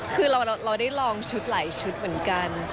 คือเราได้ลองชุดหลายชุดเหมือนกัน